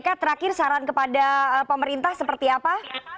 apakah terakhir saran kepada pemerintah seperti apa